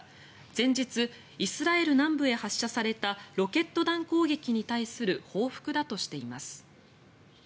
前日、イスラエル南部へ発射されたロケット弾攻撃に対する報復だとしています。